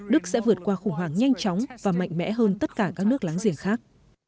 đức sẽ vượt qua khủng hoảng nhanh chóng và mạnh mẽ hơn tất cả các nước láng giềng khác